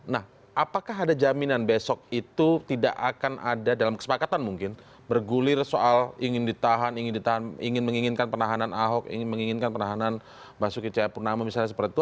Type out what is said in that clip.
nah apakah ada jaminan besok itu tidak akan ada dalam kesepakatan mungkin bergulir soal ingin ditahan ingin menginginkan penahanan ahok ingin menginginkan penahanan basuki cahayapurnama misalnya seperti itu